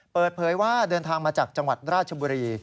เปิดเผยว่าเดินทางมาจากจังหวัดราชบุรี